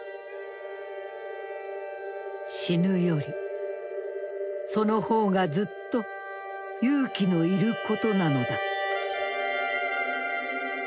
「死ぬよりその方がずっと勇気のいることなのだ」。